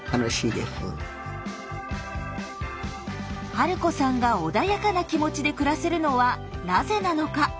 治子さんが穏やかな気持ちで暮らせるのはなぜなのか？